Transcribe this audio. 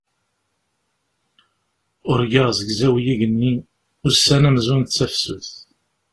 Urgaɣ zegzaw yigenni, ussan amzun d tafsut.